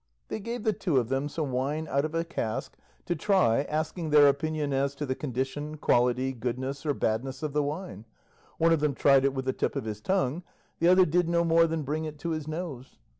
They gave the two of them some wine out of a cask, to try, asking their opinion as to the condition, quality, goodness or badness of the wine. One of them tried it with the tip of his tongue, the other did no more than bring it to his nose.